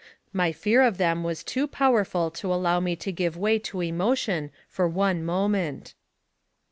My fear of them was too powerful to allow me to give way to emotion for one moment.